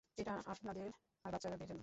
এটা আপনাদের আর বাচ্চাদের জন্য।